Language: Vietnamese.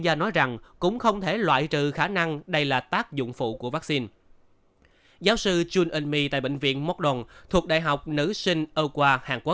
các nhà cung cấp dịch vụ chăm sóc sức khỏe